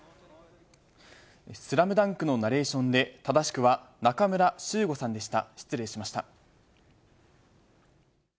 ＳＬＡＭＤＵＮＫのナレーションで、正しくはなかむらしゅうごさんでした。